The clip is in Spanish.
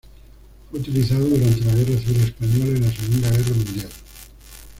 Fue utilizado durante la Guerra Civil Española y la Segunda Guerra Mundial.